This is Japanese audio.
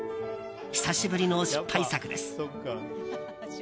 久しぶりの失敗作です。